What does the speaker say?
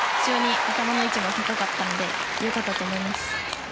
頭の位置も高かったので良かったと思います。